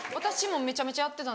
めちゃめちゃやってた。